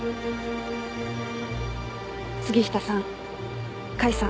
杉下さん甲斐さん